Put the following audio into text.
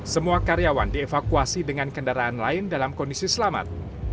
semua karyawan dievakuasi dengan kendaraan lain dalam kondisi selamat